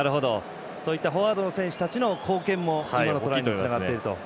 そういったフォワードの選手たちの貢献も今のトライにつながっていると。